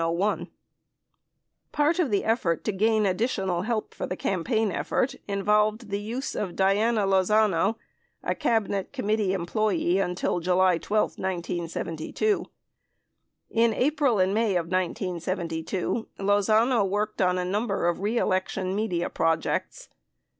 22 Part of the effort to gain additional help for the campaign effort involved the use of Diana Lozano, a Cabinet Committee employee until July 12, 1972. In April and May of 1972, Lozano worked on a number of re election media projects.